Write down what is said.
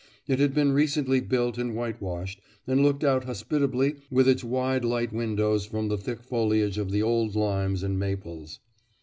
It had been recently built and whitewashed, and looked out hospitably with its wide light windows from the thick foliage of the old limes and maples.